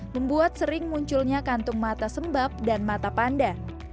membuat sering munculnya kantung mata sembab dan mata panda